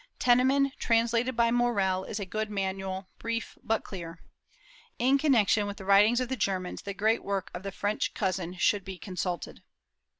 Tennemann, translated by Morell, is a good manual, brief but clear. In connection with the writings of the Germans, the great work of the French Cousin should be consulted.